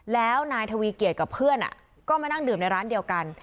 แล้วนายทวีเกียจกับเพื่อนก็มานั่งดื่มในร้านเดียวกัน